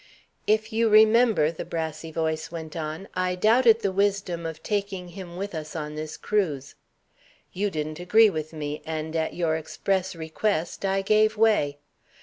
"If you remember," the brassy voice went on, "I doubted the wisdom of taking him with us on this cruise. You didn't agree with me, and, at your express request, I gave way.